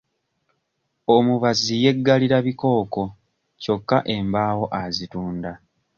Omubazzi yeggalira bikooko kyokka embaawo azitunda.